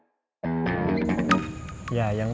cewek gak cuman satu di dunia